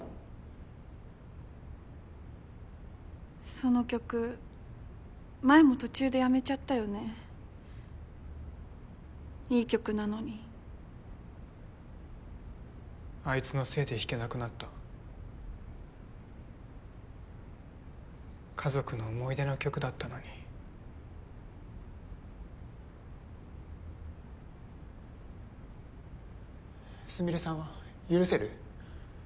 その曲前も途中でやめちゃったよねいい曲なのにあいつのせいで弾けなくなった家族の思い出の曲だったのにスミレさんは許せる？